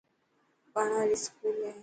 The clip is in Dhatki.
ٻاڙا ري اسڪول هي.